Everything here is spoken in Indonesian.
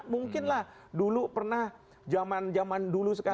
mungkin dulu pernah zaman zaman dulu sekali